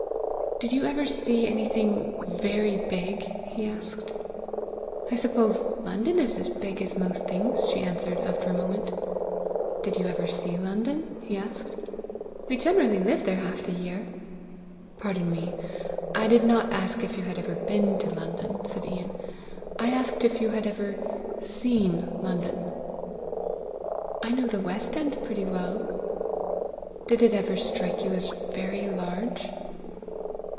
"Did you ever see anything very big?" he asked. "I suppose London is as big as most things!" she answered, after a moment. "Did you ever see London?" he asked. "We generally live there half the year." "Pardon me; I did not ask if you had ever been to London," said Ian; "I asked if you had ever seen London." "I know the west end pretty well." "Did it ever strike you as very large?"